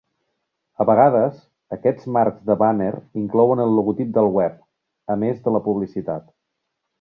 A vegades, aquests marcs de bàner inclouen el logotip del web, a més de la publicitat.